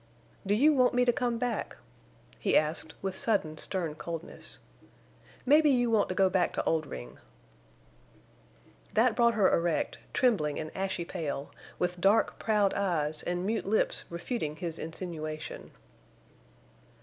"Do you want me to come back?" he asked, with sudden stern coldness. "Maybe you want to go back to Oldring!" That brought her erect, trembling and ashy pale, with dark, proud eyes and mute lips refuting his insinuation.